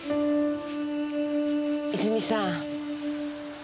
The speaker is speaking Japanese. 泉さん。